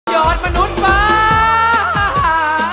อดมนุษย์ว้า